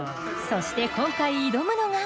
そして今回挑むのが。